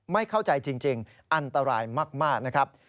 ไม่เข้าใจจริงอันตรายมากนะครับ